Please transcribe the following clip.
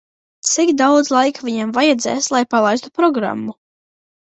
Cik daudz laika viņam vajadzēs, lai palaistu programmu?